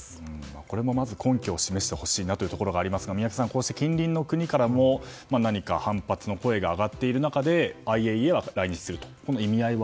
これもまず根拠を示してほしいところですが宮家さんこうした近隣の国からも何か反発の声が上がっている中でＩＡＥＡが来日する意味合いは。